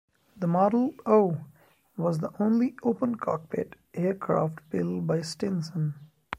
The Model O was the only open-cockpit aircraft built by Stinson.